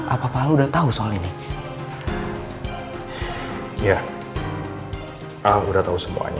apapahalau udah tau soal ini